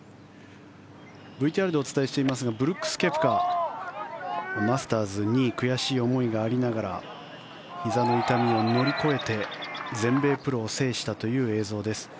ＶＴＲでお伝えしていますがブルックス・ケプカマスターズ２位悔しい思いがありながらひざの痛みを乗り越えて全米プロを制したという映像です。